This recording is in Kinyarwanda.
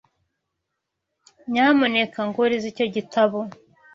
Nyamuneka nguriza icyo gitabo.